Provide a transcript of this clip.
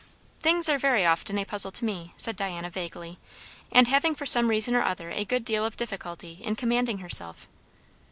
"Things are very often a puzzle to me," said Diana vaguely; and having for some reason or other a good deal of difficulty in commanding herself.